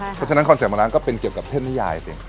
เพราะฉะนั้นคอนเสิร์ตมาร้านก็เป็นเกี่ยวกับเทพนิยายสิ